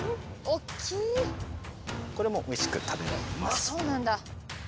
あっそうなんだ。